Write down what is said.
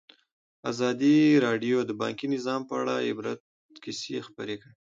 ازادي راډیو د بانکي نظام په اړه د عبرت کیسې خبر کړي.